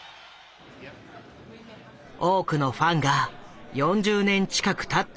多くのファンが４０年近くたった